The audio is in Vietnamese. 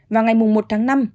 và ngày một tháng năm